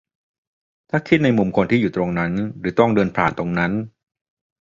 ถ้าคิดในมุมคนที่อยู่ตรงนั้นหรือต้องเดินผ่านตรงนั้น